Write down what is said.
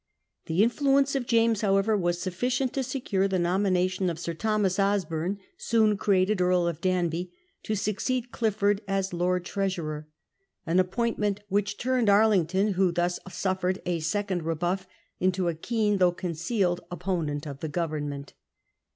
The influence of James however was sufficient to secure the nomination of Sir Thomas Osborne, soon created Earl of Danby, to succeed Clifford as Lord Treasurer — an appointment which turned Arlington, who thus suffered a second rebuff, into a keen though con cealed opponent of the Government.